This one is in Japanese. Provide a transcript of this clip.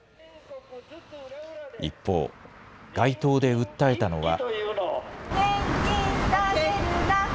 一方、街頭で訴えたのは。